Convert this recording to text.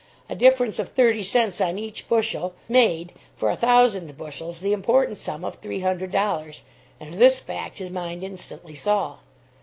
A difference of thirty cents on each bushel, made, for a thousand bushels, the important sum of three hundred dollars, and this fact his mind instantly saw.